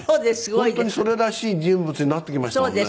本当にそれらしい人物になってきましたもんね。